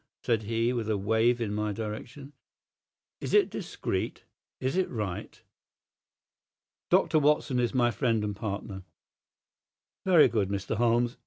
said he, with a wave in my direction. "Is it discreet? Is it right?" "Dr. Watson is my friend and partner." "Very good, Mr. Holmes.